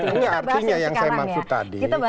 ini artinya yang saya maksud tadi